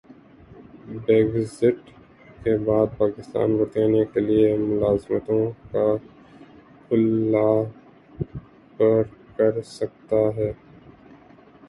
Brexit کے بعد پاکستان برطانیہ کیلئے ملازمتوں کا خلا پر کرسکتا ہے